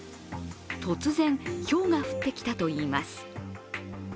突然、ひょうが降ってきたといいます。